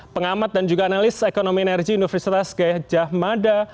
pengamat dan juga analis ekonomi energi universitas gajah mada